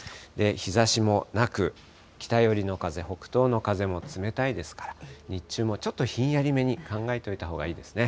日ざしもなく、北寄りの風、北東の風も冷たいですから、日中もちょっとひんやりめに考えておいたほうがいいですね。